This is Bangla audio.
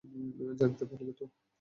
জানিতে পারিলে তো?